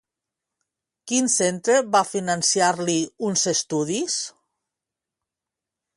Quin centre va finançar-li uns estudis?